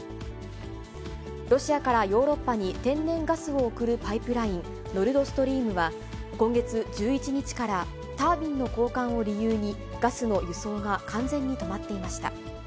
ロシアからヨーロッパに天然ガスを送るパイプライン、ノルドストリームは、今月１１日からタービンの交換を理由に、ガスの輸送が完全に止まっていました。